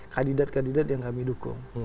kandidat kandidat yang kami dukung